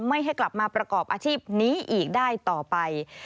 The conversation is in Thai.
ไม่ให้กลับมาประกอบอาชีพนี้อีกได้ต่อไป